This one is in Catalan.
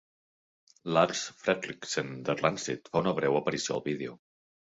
Lars Fredriksen de Rancid fa una breu aparició al vídeo.